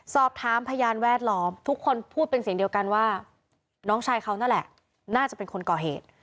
พยานแวดล้อมทุกคนพูดเป็นเสียงเดียวกันว่าน้องชายเขานั่นแหละน่าจะเป็นคนก่อเหตุ